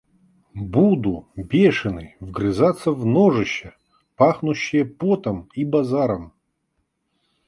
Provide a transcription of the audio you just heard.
Буду, бешеный, вгрызаться в ножища, пахнущие потом и базаром.